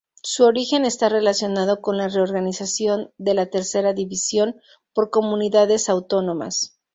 Su origen está relacionado con la reorganización de la Tercera División por comunidades autónomas.